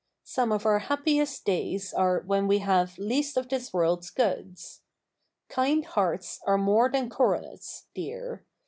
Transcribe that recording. Some of our happiest days are when we have least of this world's goods. "Kind hearts are more than coronets," dear.